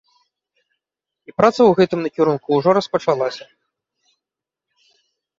І праца ў гэтым накірунку ўжо распачалася.